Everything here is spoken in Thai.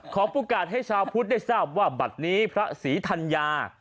ประกาศให้ชาวพุทธได้ทราบว่าบัตรนี้พระศรีธัญญา